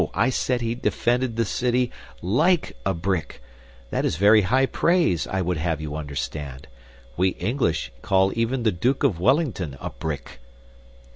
I said he defended the city LIKE a brick. That is very high praise, I would have you understand. We English call even the Duke of Wellington a brick."